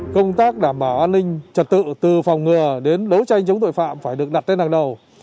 công tác đảm bảo an ninh trật tự từ phòng ngừa đến đấu tranh chống tội phạm phải được đặt tên hàng đầu